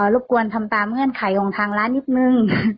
รบกวนทำตามเงื่อนไขของทางร้านนิดนึง